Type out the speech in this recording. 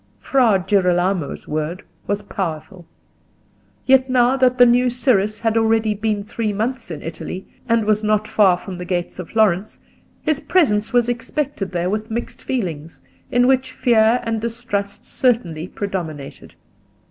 Fra Girolamo's word was powerful; yet now that the new Cyrus had already been three months in Italy, and was not far from the gates of Florence, his presence was expected there with mixed feelings, in which fear and distrust certainly predominated.